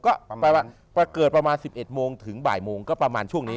ก็แปลว่าเกิดประมาณ๑๑โมงถึงบ่ายโมงก็ประมาณช่วงนี้